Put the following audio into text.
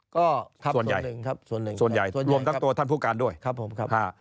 ก็ครับส่วนหนึ่งครับส่วนหนึ่งรวมทั้งตัวท่านผู้การด้วยครับผมครับ